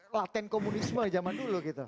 laten komunisme zaman dulu gitu